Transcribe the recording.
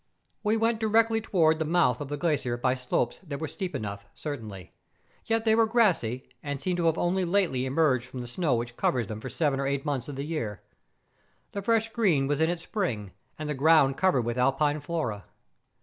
We went directly towards the mouth of the glacier by slopes that were steep enough, certainly ; yet they were grassy, and seemed to have only lately emerged from the snow which covers them for seven or eight months of the year. The fresh green was in its spring, and the ground covered with Alpine flora.